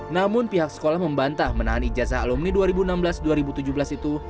namun pihak sekolah membantah menahan ijazah alumni dua ribu enam belas dua ribu tujuh belas itu